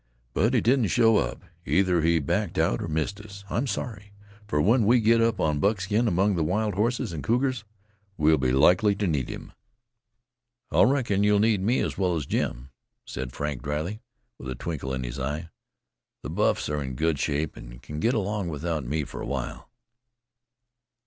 But he didn't show up. Either he backed out or missed us. I'm sorry; for when we get up on Buckskin, among the wild horses and cougars, we'll be likely to need him." "I reckon you'll need me, as well as Jim," said Frank dryly, with a twinkle in his eye. "The buffs are in good shape an' can get along without me for a while."